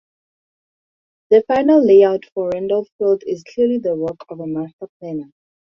The final layout for Randolph Field is clearly the work of a master planner.